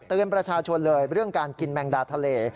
ประชาชนเลยเรื่องการกินแมงดาทะเล